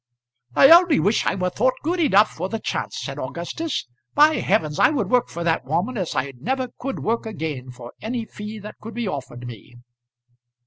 "I only wish I were thought good enough for the chance," said Augustus. "By heavens! I would work for that woman as I never could work again for any fee that could be offered me."